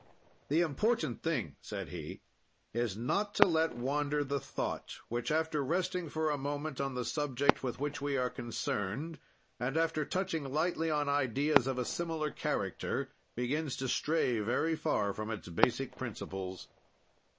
"The important thing," said he, "is not to let wander the thought, which, after resting for a moment on the subject with which we are concerned and after touching lightly on ideas of a similar character, begins to stray very far from its basic principles.